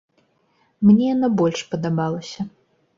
Мне яна больш падабалася.